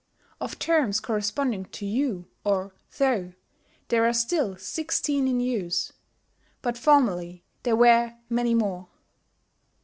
Of terms corresponding to "you" or "thou" there are still sixteen in use; but formerly there were many more.